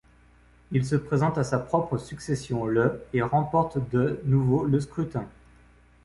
Il se présente à sa propre succession le et remporte de nouveau le scrutin.